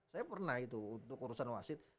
saya pernah itu untuk urusan wasit